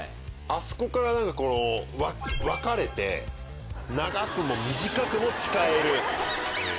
あそこからなんかこの分かれて長くも短くも使える。